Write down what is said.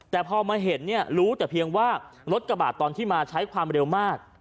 แต่พอมาเห็นเนี่ยรู้แต่เพียงว่ารถกระบาดตอนที่มาใช้ความเร็วมาก